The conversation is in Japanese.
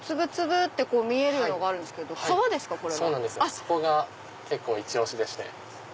そこがイチ押しでして。